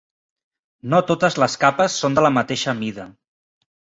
No totes les capes són de la mateixa mida.